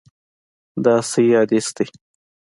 دا صحیح حدیث دی.